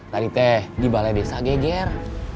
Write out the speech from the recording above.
tari teh di balai desa geger